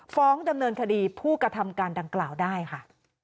ฟ้องดำเนินคดีผู้กระทำการดังกล่าวได้ค่ะ